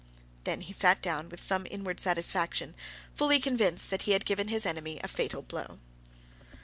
Then he sat down with some inward satisfaction, fully convinced that he had given his enemy a fatal blow.